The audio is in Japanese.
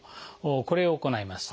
これを行います。